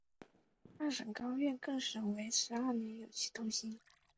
二审高院更审为十五年有期徒刑。